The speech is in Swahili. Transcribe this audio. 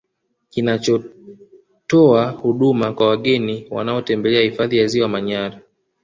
Kinachotoa huduma kwa wageni wanaotembelea hifadhi ya Ziwa Manyara